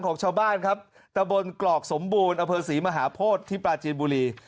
ของชาวบ้านครับตะบนกรอกสมบูรณ์อเภอศรีมหาโพธิที่ปลาจีนบุรี